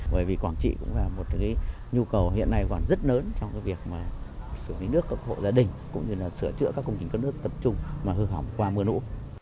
bởi vì quảng trị cũng là một nhu cầu hiện nay còn rất lớn trong việc sửa chữa các công trình cấp nước tập trung mà hư hỏng qua mưa nụ